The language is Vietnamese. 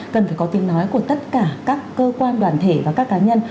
cần phải có tiếng nói của tất cả các cơ quan đoàn thể và các cá nhân